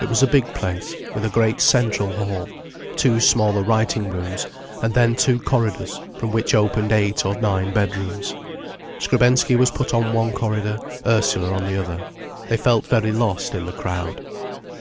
It was a big place, with a great central hall, two smaller writing rooms, and then two corridors from which opened eight or nine bedrooms. Skrebensky was put on one corridor, Ursula on the other. They felt very lost, in the crowd.